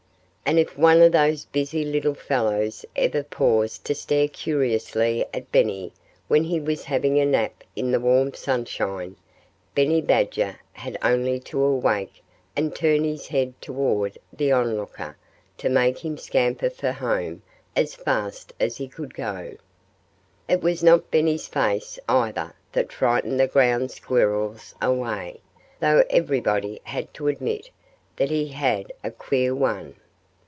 And if one of those busy little fellows ever paused to stare curiously at Benny when he was having a nap in the warm sunshine, Benny Badger had only to awake and turn his head toward the onlooker to make him scamper for home as fast as he could go. It was not Benny's face, either, that frightened the ground squirrels away, though everybody had to admit that he had a queer one.